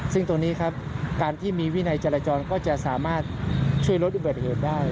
ซึ่งตรงนี้ครับการที่มีวินัยจราจรก็จะสามารถช่วยลดอุบัติเหตุได้